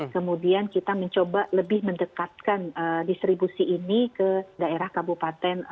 kemudian kita mencoba lebih mendekatkan distribusi ini ke daerah kabupaten